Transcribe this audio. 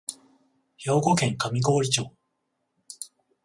兵庫県上郡町